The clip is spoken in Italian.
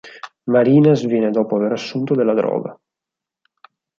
Marina sviene dopo aver assunto della droga.